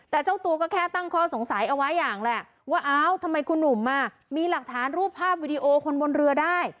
แต่เจ้าตัวก็แค่ตั้งข้อสงสัยเอาไว้อย่างแหละว่าอ้าวทำไมคุณหนุ่มมีหลักฐานรูปภาพวิดีโอคนบนเรือได้